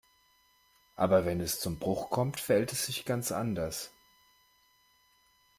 Aber wenn es zum Bruch kommt, verhält es sich ganz anders.